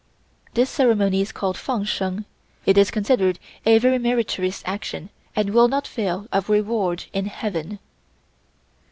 This ceremony is called "Fang Sheng." It is considered a very meritorious action and will not fail of reward in Heaven.